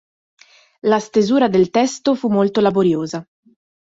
La stesura del testo fu molto laboriosa.